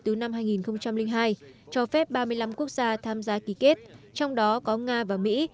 từ năm hai nghìn hai cho phép ba mươi năm quốc gia tham gia ký kết trong đó có nga và mỹ